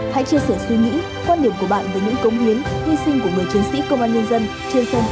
hãy chia sẻ suy nghĩ quan điểm của bạn về những cống hiến hy sinh của người chiến sĩ công an nhân dân trên fanpage truyền hình công an nhân dân